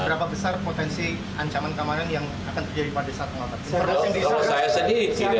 berapa besar potensi ancaman keamanan yang akan terjadi pada saat pengobatan